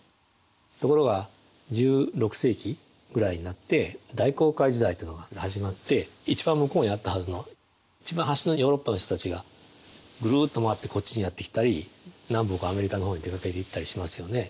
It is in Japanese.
ところが１６世紀ぐらいになって大航海時代というのが始まって一番向こうにあったはずの一番端のヨーロッパの人たちがグルっと回ってこっちにやって来たり南北アメリカの方に出かけていったりしますよね。